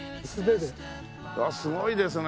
わあすごいですね。